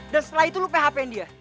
dan setelah itu lo php in dia